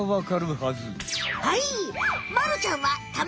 はい！